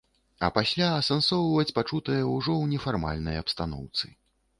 А пасля асэнсоўваць пачутае ўжо ў нефармальнай абстаноўцы.